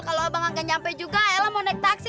kalau abang gak nyampe juga ela mau naik taksi